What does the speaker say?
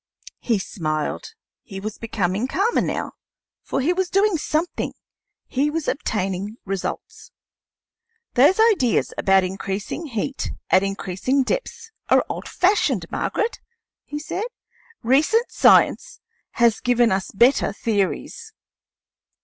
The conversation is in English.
He smiled; he was becoming calmer now, for he was doing something: he was obtaining results. "Those ideas about increasing heat at increasing depths are old fashioned, Margaret," he said. "Recent science has given us better theories.